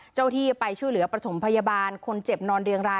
เจ้าที่ไปช่วยเหลือประถมพยาบาลคนเจ็บนอนเรียงราย